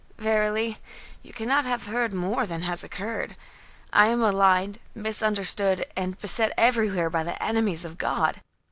"Verily you cannot have heard more than has occurred. I am maligned, misunderstood and beset everywhere by the enemies of God."